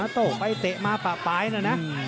หาโต้ไปแตะมาฟ้าปลายนะนะ